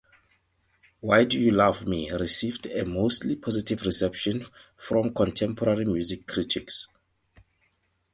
"Why Do You Love Me" received a mostly positive reception from contemporary music critics.